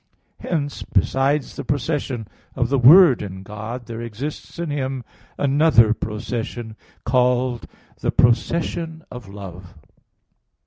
Hence, besides the procession of the Word in God, there exists in Him another procession called the procession of love.